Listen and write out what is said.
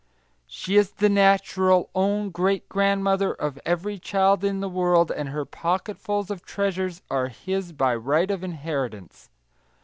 She is the natural, own great grandmother of every child in the world, and her pocketfuls of treasures are his by right of inheritance.